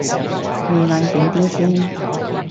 你冷靜啲先